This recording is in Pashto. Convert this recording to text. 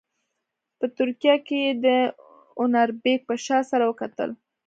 په ترکیه کې یې د انوربیګ پاشا سره وکتل.